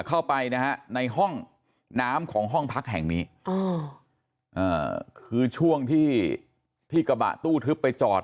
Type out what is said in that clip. เข้าไปนะฮะในห้องน้ำของห้องพักแห่งนี้คือช่วงที่ที่กระบะตู้ทึบไปจอด